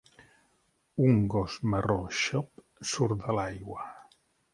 Un gos marró xop surt de l'aigua.